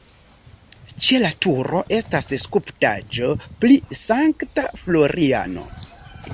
Ĉe la turo estas skulptaĵo pri Sankta Floriano.